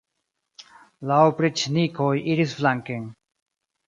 La opriĉnikoj iris flanken.